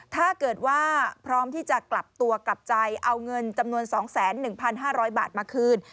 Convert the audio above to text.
ถ้าเกิดว่าพร้อมที่จะกลับตัวกลับใจเอาเงินจำนวน๒๑๕๐๐บาทมาคืน